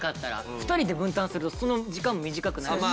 ２人で分担するとその時間も短くなるし。